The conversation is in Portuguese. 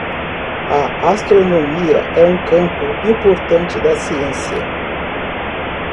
A astronomia é um campo importante da ciência.